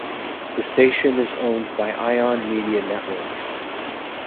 The station is owned by Ion Media Networks.